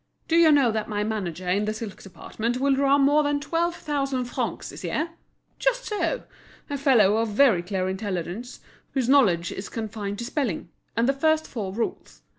Do you know that my manager in the silk department will draw more than twelve thousand francs this year. Just so! a fellow of very clear intelligence, whose knowledge is confined to spelling, and the first four rules.